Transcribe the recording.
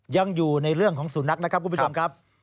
ยังอยู่ในเรื่องของสุนัขนะครับคุณผู้ชมครับ